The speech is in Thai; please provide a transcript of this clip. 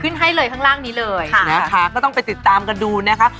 ให้เลยข้างล่างนี้เลยค่ะนะคะก็ต้องไปติดตามกันดูนะคะ